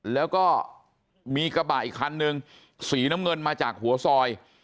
แล้วก็มีกระบะอีกคันนึงสีน้ำเงินมาจากหัวซอย